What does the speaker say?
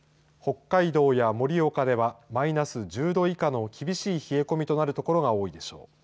北海道や盛岡ではマイナス１０度以下の厳しい冷え込みとなる所が多いでしょう。